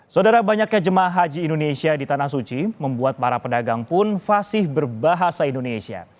saudara banyaknya jemaah haji indonesia di tanah suci membuat para pedagang pun fasih berbahasa indonesia